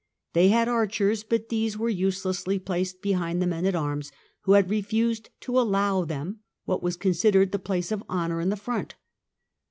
They had archers, but these were use lessly placed behind the men at arms, who had refused to allow them what was considered the place of honour in the front.